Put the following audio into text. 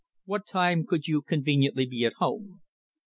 What time could you conveniently be at home?"